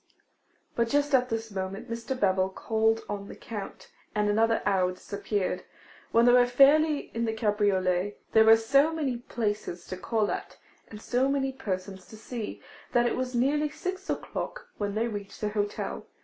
But just at this moment, Mr. Bevil called on the Count, and another hour disappeared. When they were fairly in the cabriolet, there were so many places to call at, and so many persons to see, that it was nearly six o'clock when they reached the hotel.